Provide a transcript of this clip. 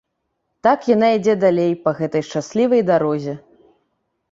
Так яна ідзе далей па гэтай шчаслівай дарозе.